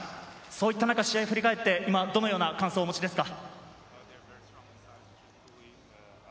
そういった中、試合を振り返って、今、どのような感想をお持ちですか？